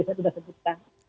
saya sudah sebutkan